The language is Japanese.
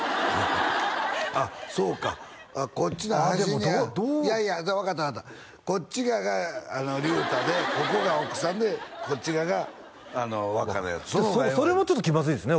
あっそうかこっちの端ああでもどういやいや分かった分かったこっち側が隆太でここが奥さんでこっち側が若菜やそれもちょっと気まずいですね